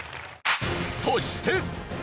そして。